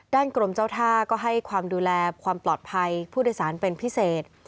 กรมเจ้าท่าก็ให้ความดูแลความปลอดภัยผู้โดยสารเป็นพิเศษ